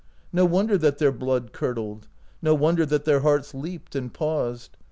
No wonder that their blood curdled ; no wonder that their hearts leaped and paused.